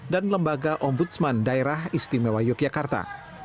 masalah tersebut kini telah dilaporkan kepada dinas pendidikan kota yogyakarta